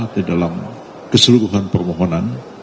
di dalam keseluruhan permohonan